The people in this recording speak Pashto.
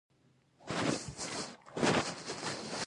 هغه جوندى دى.